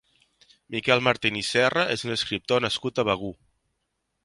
Miquel Martín i Serra és un escriptor nascut a Begur.